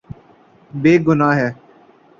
یے گناہ ہے